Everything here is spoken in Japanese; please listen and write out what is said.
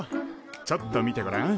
ちょっと見てごらん。